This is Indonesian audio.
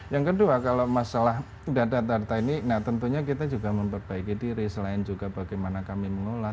yang kedua kalau masalah data data ini nah tentunya kita juga memperbaiki diri selain juga bagaimana kami mengolah